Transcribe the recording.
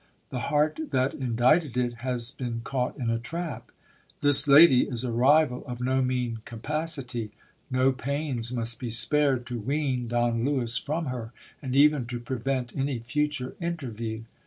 The heart that indited it has been caught in a trap. This lady is a rival of no mean capacity. No pains must be spared to wean Don Lewis from her, and even to prevent any future interview.